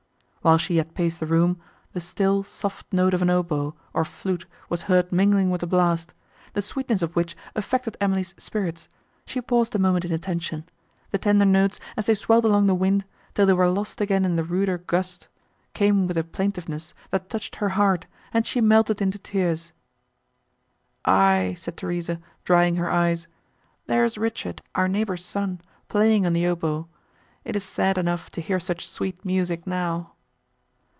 While she yet paced the room, the still, soft note of an oboe, or flute, was heard mingling with the blast, the sweetness of which affected Emily's spirits; she paused a moment in attention; the tender tones, as they swelled along the wind, till they were lost again in the ruder gust, came with a plaintiveness, that touched her heart, and she melted into tears. "Aye," said Theresa, drying her eyes, "there is Richard, our neighbour's son, playing on the oboe; it is sad enough, to hear such sweet music now."